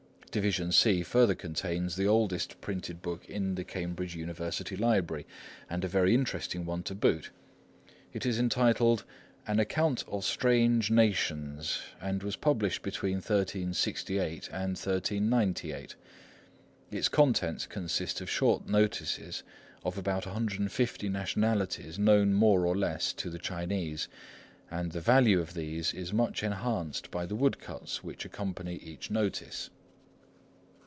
Division C further contains the oldest printed book in the Cambridge University Library, and a very interesting one to boot. It is entitled An Account of Strange Nations, and was published between 1368 and 1398. Its contents consist of short notices of about 150 nationalities known more or less to the Chinese, and the value of these is much enhanced by the woodcuts which accompany each notice.